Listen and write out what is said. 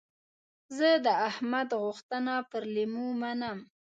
زه د احمد غوښتنه پر لېمو منم.